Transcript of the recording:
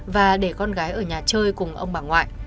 và để con gái ở nhà chơi cùng ông bà ngoại